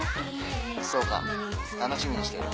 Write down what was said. ・そうか楽しみにしてる。